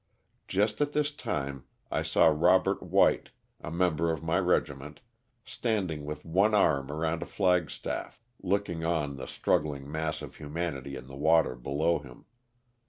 Just at ihis time I saw Rob ert White, a member of mj regiment, standing with one arm around the flag staff, looking on the strug gling mass of humanity in the water below him.